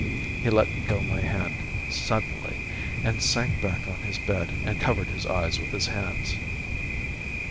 He let go my hand suddenly, and sank back on his bed and covered his eyes with his hands.